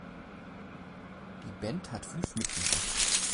Die Band hat fünf Mitglieder.